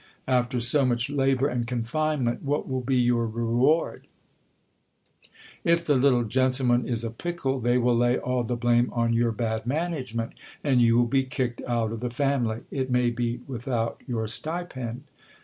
After so much labour and confinement, what will be your reward ? If the little gentleman is a pickle, they will lay all the blame on your bad management ; GIL BLAS APPLIES FOR A SITUATION. 39 and you will be kicked out of the family, it may be without your stipend.